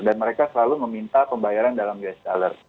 dan mereka selalu meminta pembayaran dalam us dollar